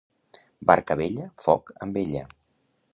Barca vella, foc amb ella.